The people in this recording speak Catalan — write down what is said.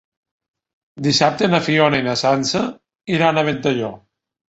Dissabte na Fiona i na Sança iran a Ventalló.